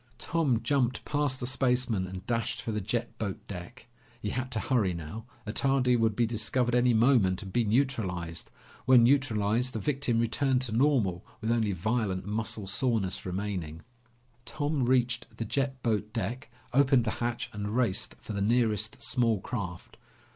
Tom jumped past the spaceman and dashed for the jet boat deck. He had to hurry now. Attardi would be discovered any moment and be neutralized. When neutralized, the victim returned to normal, with only violent muscle soreness remaining. Tom reached the jet boat deck, opened the hatch, and raced for the nearest small craft.